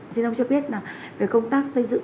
xin ông cho biết là về công tác xây dựng